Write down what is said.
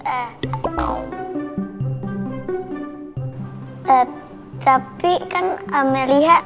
eh tapi kan amalia